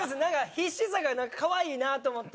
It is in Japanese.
必死さがなんかかわいいなと思って。